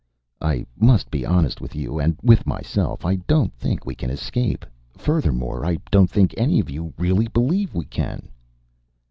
"I must be honest with you and with myself. I don't think we can escape. Furthermore, I don't think any of you really believe we can."